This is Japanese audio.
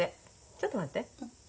ちょっと待って。